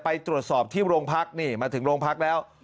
ไปตรวจสอบที่โรงพักนี่มาถึงโรงพักแล้ว